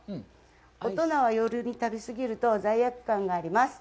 大人は夜に食べ過ぎると罪悪感があります。